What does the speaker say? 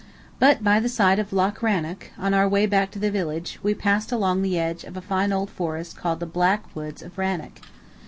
But by the side of Lock Rannoch, on our way back to the village, we passed along the edge of a fine old forest called the "Black Woods of Rannoch."